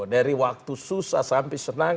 dari waktu susah sampai senang